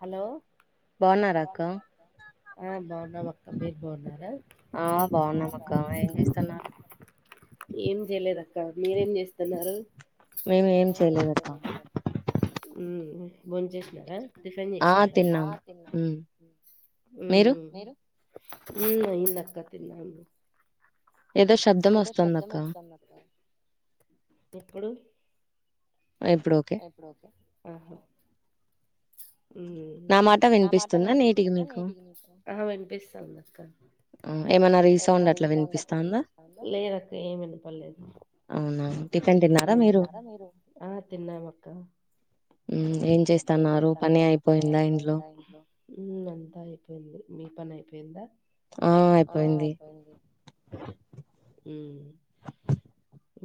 Hello బాగున్నా అక్క మీరు బాగున్నారా ఏం చేయలేదు అక్క మీరేం చేస్తున్నారు బంచి చేసినారా డిఫెండ్ చేసినారా మీ హ్మ్ ఇల్లాక్కతిన్నా ఏదో శబ్దం వస్తందిక తూప్పుడుూ ఇప్పుడు ఓకేహ నా మాట వినిపిస్తుందా నేటికికు వినిపిస్తాను అక్క ఏమ అ వినిపిస్తా లేదక్క ఏమి విపలేదు తిన్నారారు ఆ తిన్నాము అక్కం పనియిపోయిందా అంతా అయిపోయింది మీ ప పోందా ఆ అయిపోయింది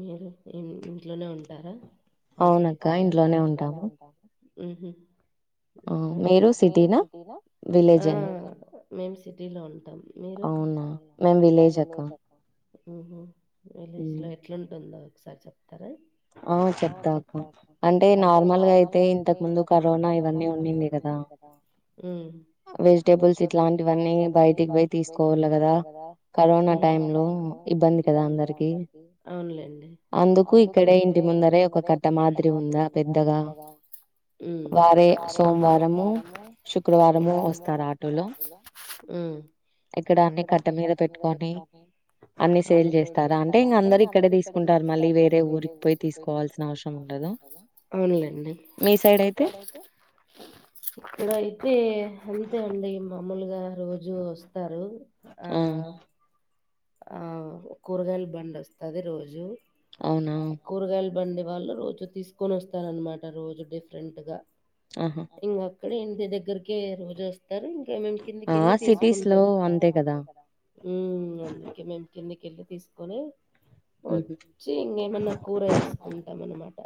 మీరు ఏం ఇంట్లోనే ఉంటారా హౌస్ వైఫ్ ఇంట్లోనే ఉంటాను ఉహ మరు సధి మేము సిటీలో ఉంటాం అవునా మేం విలేజ్ అక్క ఆఓహ విలేజ్ లో ఎట్లాంటుందో ఒకసారి చెప్ప ఆ చెప్తాక అంటే నార్మల్గా అయితే ఇంతకు ముందు కరోనా నా ఇదన్నే ఉన్నింది కదా ఉమ్ వెజిటేబుల్స్ ఇట్లాంటివన్నీ బయటికి పోయ్ తీసుకోవళ్ళ కదా. కరోనా టైం లో ఇబ్బంది కదా అందరికి అవును లేండి. అందుకు ఇక్కడే ఇంటి ముందరే ఒక పెద్ద మాదిరి ఉందా పెద్దగా సోమవారము శుక్లవారం వస్తారు ఆటోలో ఇక్కడ అన్ని కట్ట మీద పెట్టుకొని అవును లె సేల్ చేస్తారా అంటే ఇ అందరు ఇక్కడే తీసుకుంటారు మళ్ళీ వేరే ఊరికి పోయి తీసుకోవాల్సిన అవసరం ఉంటదా అవును లేండి మీ సైడ్ అయితే ఇక్కడ అయితే అంతే అండి మామూలుగా రోజూ వస్తారు ఆ ఆ కూరగాయల బండి వస్తది రోజు కూరగయల్ బండి వాళ్ళు రోజు తీసుకొని వస్తారనమాట రోజు డిఫరెంట్ గా ఇం ఇక్కడే ఇంటి దగ్గరకే రోజు వస్ స్తరు ఇంకా మేము కిందికెళ్ళి తీసుకుంటాం. అవును అండి కిందికెళ్ళి తీసుకొని వచ్చి ఇంగేమన్నా కూర చేసుకుంటాం అనమాట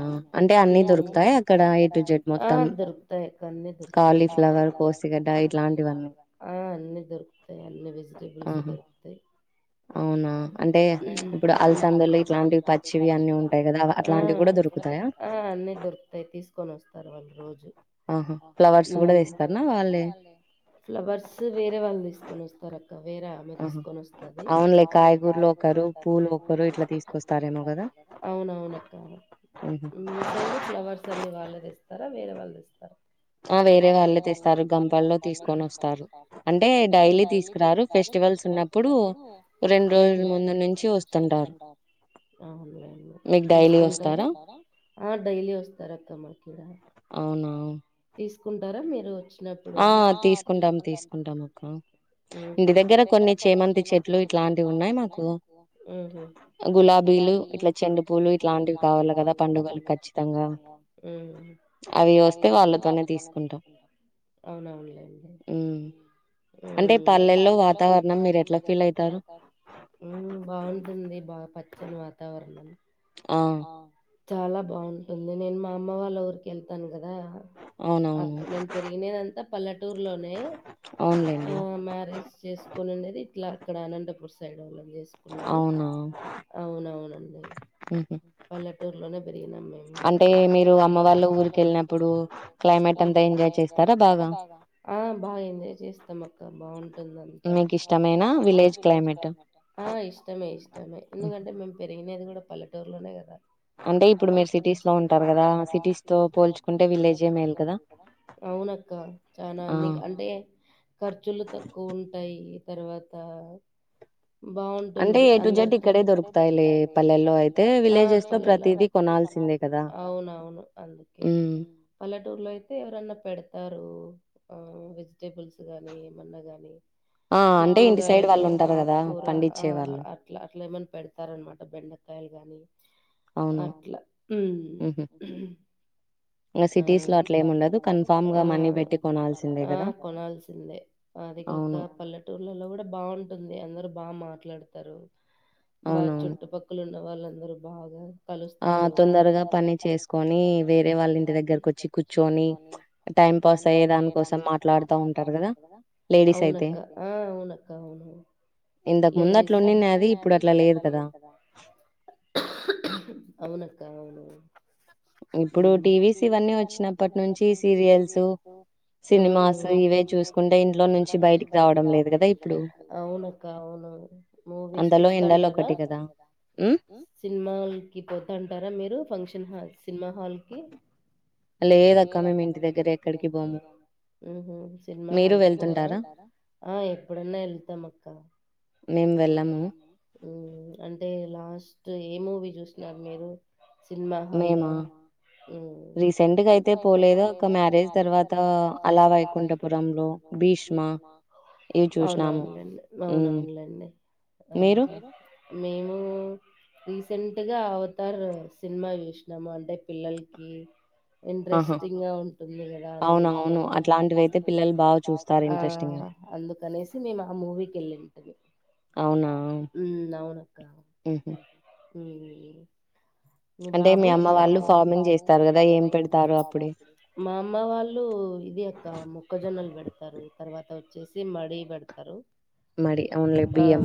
అవున అంటే అన్ని దొరుకుతాయ అక్కడ ఎటు జెడ్ ఆ దొరుకుతాయ్ అక్క అన్ని దొరుకుతాయ్ కాలిఫ్లవర్ కోసిగడ్డ ఇట్లాంటివన్నీ ఆ అన్నీ దొరుకుతాయ్ అన్నీ వెజిటబుల్స్ ఏ అవునా అన్నీ దొరుకుతాయి తీసుకొని వస్తారు వాళ్ళు రోజు ఉ ఫ్లవర్స్ వేరే వాళ్ళు తీసుకొని వస్తారు కవేరా మదిస్ అవులే కాయగూరలు ఒకరు పూలు ఒకరు ఇట్లా తీసుకొస్తారేమో కద. అవును అవును అక్క మీ సైడ్ ఫ్లవర్స్ అన్ని వాళ్ళది ఇస్తార. వేరే వాళ్ళు ఇస్తారు ఆ వేరే వాళ్ళు తెస్తారు గంపల్లో తీసుకొని వస్తారు అంటే డైలీ తీసుకురారు ఫెస్టివల్స్ ఉన్నప్ ఆ డైలీ వస్తారు అక్క మాకిడ తీసుకుంటారా మీరు వచ్ ఆ తీసుకుంటాం తీసుకుంటాం అక్క ఇంటి దగ్గర కొన్ని కొన్ని చేమంతి చెట్లు ఇట్లాంటివి ఉన్నాయి. నాకు గులాబీలు ఇలా చెండు పూలు ఇట్లాంటివి కావాలి. కదా పండుగలు ఖచ్చితంగా అవి వస్తే వాళ్ళతోనే తీసుకుంట అవునవునులేండి ఉమ్ అంటే పల్లెల్లో వాతావరణం మీరు ఎట్లా ఫీల్ అయితారు. ఉమ్ బాగుంటుంది. ప పచ్చని వాతావరణం ఆ చాలా బాగుంటుంది. నేను మా అమ్మ వాళ్ళు ఊరికి వెళ్తాను కదా. ఆ నేన్ పెరిగినయంతా పల్లెటూరు లోనే ఆ మ్యారేజ్ చేసు అది ఇట్ల క్కడ అనందపూర్ సైడ్ ఒళ్ళ చేస్కుంన్నడు ఔన ఔనునండి పల్లెటూర్లోనే ప్ గినం మెమ్ గుడ అంటే మీరు అమ్మ వాళ్ళ ఊరికెళ్ళినప్పుడు క్లేమేట్ అంత ఎంజాయ్ చేస్తారా బాగా ఆ బాగా ఎంజాయ్ చేస్తాం అక్క బాగుంటుందం ఆ ఇష్టమే ఇష్టమే ఎందుకంటే మే పెరిగీది గుడా పల్లేటూర్లోనే గదా అంటే ఇప్పుడు మ సిటీస్ లో ఉంటారు గదా సిటీస్ త పోల్చుకుంటే విలేజ్ ఏంది కదా ఔనక్క చాలా అన్ని అంటే ఖర్చులు తక్కువ ఉ తర్వాతా బాగుంటుంది అందర్తో దొరుతస ఔనౌను అందుకే పల్లెటూరులో ఐతే ఎవరన్నా పెడ్తారు అ వెజిటేబుల్స్ గాని మన్న గాని చిక్కుడుకాయలు ఆకూర ఆ అట్లా అట్లా ఏమన్నా పెడ్తరనమాట బెండకాయలు అగానీ అట్లా ఆ అండదుట్ కొనాల్సిందే అదిగా గ పల్లెటూర్లలో గుడా బాగుంటుంది అందరుూ బా మాట్ ట్లడ్తరు బా చుట్టు పక్కలు ఉన్న వాళ్ళందరు బాగ కలుస్తరు ఆ తొందర్గ పని చేస్కోని వేరే వాళ్ళ ఇంటి దగ్గర ఒచ్చి కూర్చుని టైం పాస్ అయ్యే దాని కోసం మాట్లాడ్తా ఉంటారు గదా ఔనక్క ఆ ఔనక్క ఔను లేడీస్ అట్ల అది ఇప్పుడు అట్లా లేదు కదా ఔనక్క ఔను ఇప్పుడు టీవీస్ ఇవన్నీ ఒచ్చినప్పటి నుంచి సీరియల్సు సినిమాససు ఇవే చూసుకుంటే ఇంట్లో నుంచి ను బయ రావడం లేద అవునక్క అవును మూవీస్ చూస్తాంటారా సినిమాల క పోతంటారా మీరు ఫంక్షన్ హాల్స్ సినిమా హాల్కి అ లేదక్క మెమ్ ఇంటి దగ్గరే సినిమా హల్కి పోర ఆ ఎప్పుడన్నా ఎళ్ళతమక్క అంటే లాస్ ఏ మూవీ చూసినారు మీరు సినిమా హా లో రీసెంట్ గా అయితే పోలేదు ఒక మ్యారేజ్ తర్వాత అలా వైకుంఠపుర లో భీష్ ఔనౌన్లేండి ఔనౌన్లేండి మేమూ సెంట్ గా అవతార్ సినిమా చూస్నము అంటే పిల్లల్కి ఇంట్రెస్టింగ్ గా ఉంటుంది గదా అది ఐతే అందుకనేసి మేము ఆ మూవీకి వెళ్ళింటిమి అవున హు అవును అక్క హు మీ బాబు కదా మా అమ్మ వాళ్ళు ఇది అక్క మొక్కజొన్నలు పెడతారు తర్వాత వచ్చేసి మడి పెడతారు మడి అవునులే బియ్యం